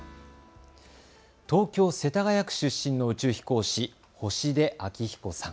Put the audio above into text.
東京世田谷区出身の宇宙飛行士、星出彰彦さん。